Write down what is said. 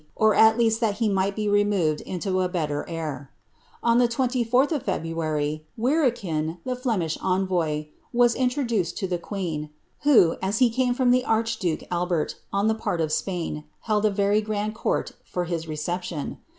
or at least that he might be removed into a belter air. On the 24ih of February, Verekin, the Flemish envoy, was intro duced to the queen, who, as he came from the archduke Albert, on the part of Spain, held a very grand court for his reception.